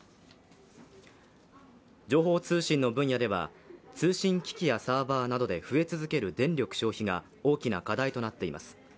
情報通信の分野では通信機器やサーバーなどで増え続ける電力消費が大きな課題となっています。